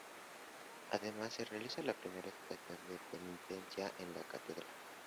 Además, se realiza la primera estación de penitencia en la Catedral.